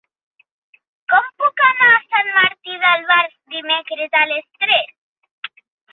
Com puc anar a Sant Martí d'Albars dimecres a les tres?